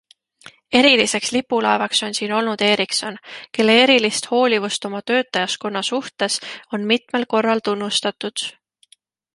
Eriliseks lipulaevaks on siin olnud Ericsson, kelle erilist hoolivust oma töötajaskonna suhtes on mitmel korral tunnustatud.